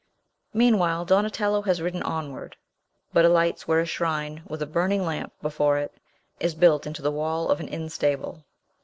Meanwhile, Donatello has ridden onward, but alights where a shrine, with a burning lamp before it, is built into the wall of an inn stable.